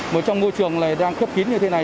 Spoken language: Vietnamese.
một trong môi trường này đang khép kín như thế này